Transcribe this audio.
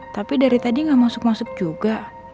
tapi dari tadi nggak masuk masuk juga